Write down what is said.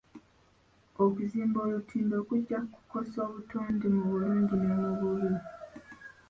Okuzimba olutindo kujja kukosa obutonde mu bulungi ne mu bubi.